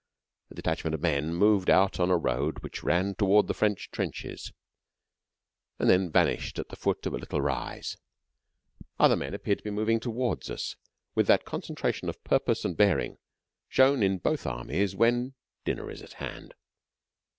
A detachment of men moved out on a road which ran toward the French trenches, and then vanished at the foot of a little rise. Other men appeared moving toward us with that concentration of purpose and bearing shown in both Armies when dinner is at hand.